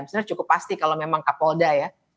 sebenarnya cukup pasti kalau memang kapolda ya